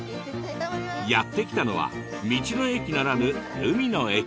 やって来たのは道の駅ならぬ海の駅。